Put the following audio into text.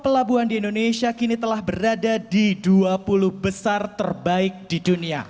pelabuhan di indonesia kini telah berada di dua puluh besar terbaik di dunia